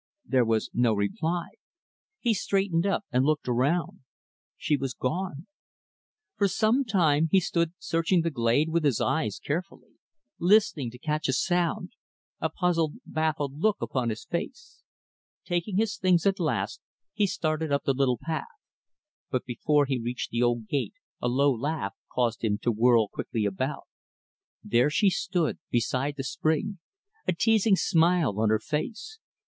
There was no reply. He straightened up and looked around. She was gone. For some time, he stood searching the glade with his eyes, carefully; listening to catch a sound a puzzled, baffled look upon his face. Taking his things, at last, he started up the little path. But before he reached the old gate, a low laugh caused him to whirl quickly about. There she stood, beside the spring a teasing smile on her face.